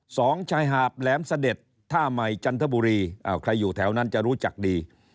ชายหาบแหลมเสด็จท่าใหม่จันทบุรีอ้าวใครอยู่แถวนั้นจะรู้จักดี